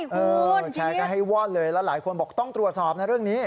ทิศเช็คเขาไม่ว่าเลยแล้วหลายคนบอกต้องตรวจสอบในเรื่องนี้